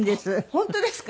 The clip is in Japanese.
本当ですか？